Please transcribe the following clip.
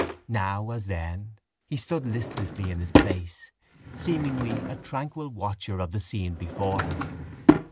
Now, as then, he stood listlessly in his place, seemingly a tranquil watcher of the scene before him.